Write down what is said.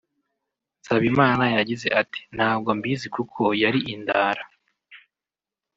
Nsabimana yagize ati “Ntabwo mbizi kuko yari indara